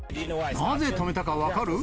なぜ止めたか分かる？